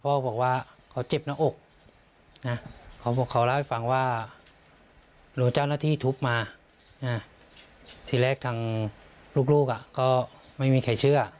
บอกว่าเขาเจ็บหน้าอกนะเขาบอกเขาเล่าให้ฟังว่ารู้เจ้าหน้าที่ทุบมาทีแรกทางลูกก็ไม่มีใครเชื่อ